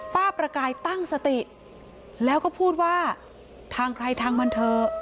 ประกายตั้งสติแล้วก็พูดว่าทางใครทางมันเถอะ